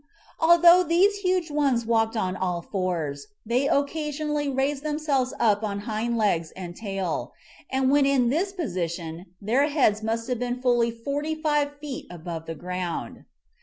Although these huge ones walked on all fours, they occasionally raised themselves up on hind legs and tail, and when in this position their heads must have been fully forty five feet above the ground.